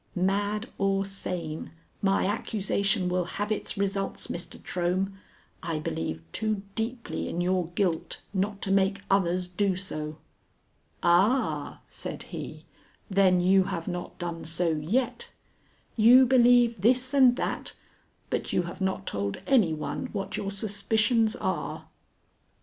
"Mad or sane, my accusation will have its results, Mr. Trohm. I believe too deeply in your guilt not to make others do so." "Ah," said he, "then you have not done so yet? You believe this and that, but you have not told any one what your suspicions are?"